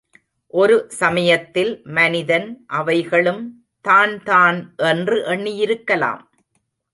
ஒரு சமயத்தில் மனிதன் அவைகளும் தான் தான் என்று எண்ணியிருக்கலாம்.